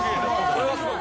これはすごい。